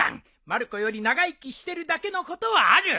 まる子より長生きしてるだけのことはある。